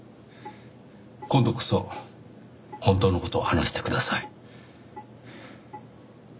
今度こそ本当の事を話してください。